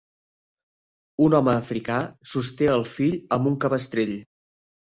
Un home africà sosté el fill amb un cabestrell.